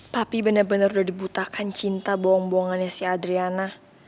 papi bener bener udah dibutakan cinta bohong bohongannya si adriana